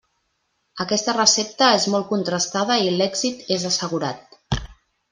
Aquesta recepta és molt contrastada i l'èxit és assegurat.